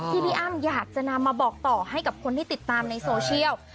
พี่อ้ำอยากจะนำมาบอกต่อให้กับคนที่ติดตามในโซเชียล